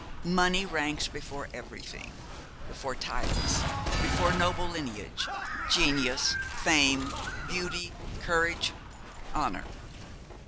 Money ranked before everything before titles, before noble lineage, genius, fame, beauty, courage, honour.